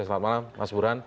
selamat malam mas burhan